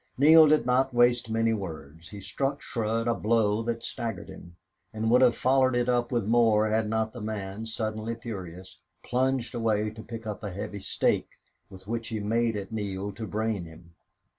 Neale did not waste many words. He struck Shurd a blow that staggered him, and would have followed it up with more had not the man, suddenly furious, plunged away to pick up a heavy stake with which he made at Neale to brain him.